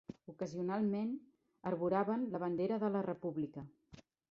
Ocasionalment arboraven la bandera de la República